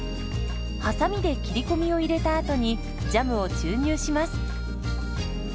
はさみで切り込みを入れたあとにジャムを注入します。